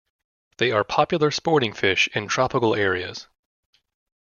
They are popular sporting fish in tropical areas.